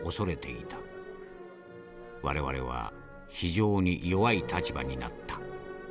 我々は非常に弱い立場になった。